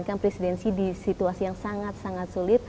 menjalankan presidensi disituasi yang sangat sangat sulit